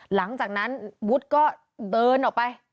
หลังจากนั้นวุฒิก็เดินออกไป